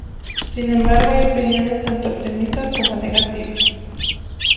Sin embargo, hay opiniones tanto optimistas como negativas.